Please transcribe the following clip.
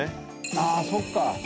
ああそっか。